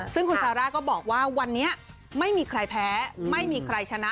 ซึ่งคุณซาร่าก็บอกว่าวันนี้ไม่มีใครแพ้ไม่มีใครชนะ